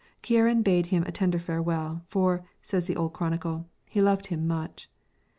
Ciaran bade him a tender farewell, for, says the old chronicle, he loved him much.